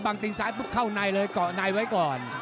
บังตินซ้ายปุ๊บเข้าในเลยก่อนายไว้ก่อน